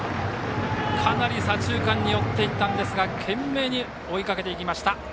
かなり左中間に追っていたんですが懸命に追いかけていきました。